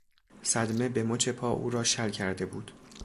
صدمه به مچ پا او را شل کرده بود.